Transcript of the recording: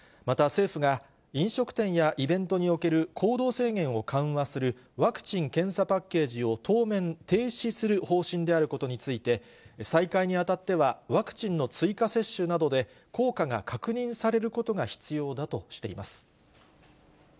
また政府が、飲食店やイベントにおける行動制限を緩和するワクチン・検査パッケージを当面停止する方針であることについて、再開にあたってはワクチンの追加接種などで、効果が確認されることが必要だとしています。